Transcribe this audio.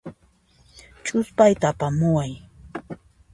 Ch'uspayta apamuway.